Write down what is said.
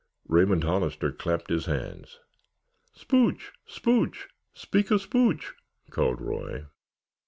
Raymond Hollister clapped his hands. "Spooch, spooch—speak a spooch!" called Roy.